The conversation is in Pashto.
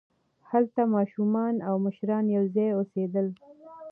هلته ماشومان او مشران یوځای اوسېدل.